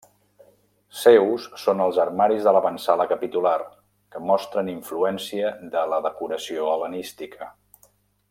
Seus són els armaris de l'avantsala capitular, que mostren influència de la decoració hel·lenística.